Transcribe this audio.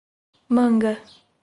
Manga